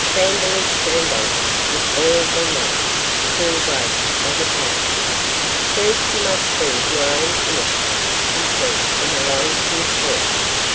Vandeloup turned on her with all the lithe, cruel grace of a tiger. 'First you must prove your own innocence,' he said, in a low, fierce voice.